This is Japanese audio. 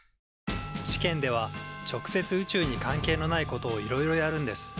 試験では直接宇宙に関係のないことをいろいろやるんです。